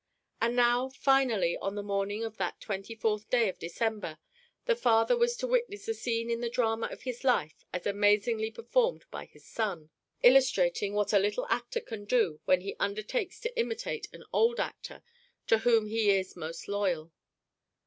And now finally on the morning of that twenty fourth day of December, the father was to witness a scene in the drama of his life as amazingly performed by his son illustrating what a little actor can do when he undertakes to imitate an old actor to whom he is most loyal.